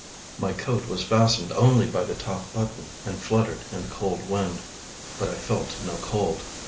My coat was fastened only by the top button, and fluttered in the cold wind; but I felt no cold.